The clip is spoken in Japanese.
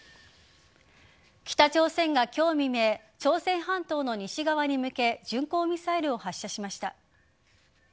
北朝鮮が今日未明朝鮮半島の西側に向け巡航ミサイルを発射しました。